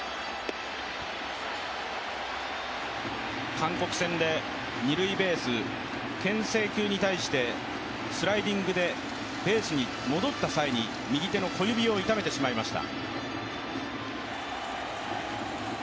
韓国戦で二塁ベース牽制球に対してスライディングでベースに戻った際に右手の小指を痛めてしまいました。